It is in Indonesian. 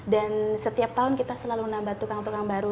dan setiap tahun kita selalu nambah tukang tukang baru